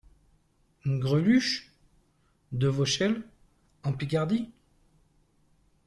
Greluche ? de Vauchelles… en Picardie ?